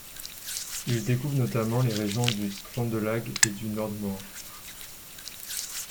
Il couvre notamment les régions du Trøndelag et du Nordmøre.